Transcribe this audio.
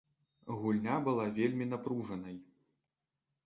Гульня была вельмі напружанай.